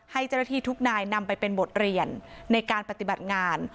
ให้เจ้าหน้าที่ทุกนายนำไปเป็นบทเรียนในการปฏิบัติงาน